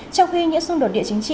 trong khi những xung đột địa chính trị